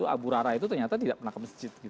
abu rara itu ternyata tidak pernah ke masjid